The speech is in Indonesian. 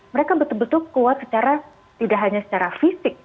mereka betul betul kuat secara tidak hanya secara fisik